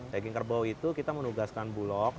daging kerbau itu kita menugaskan bulog